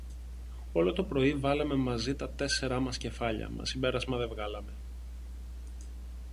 Όλο το πρωί βάλαμε μαζί τα τέσσερα μας κεφάλια, μα συμπέρασμα δε βγάλαμε.